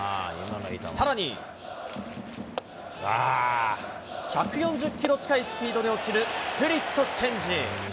さらに、１４０キロ近いスピードで落ちるスプリットチェンジ。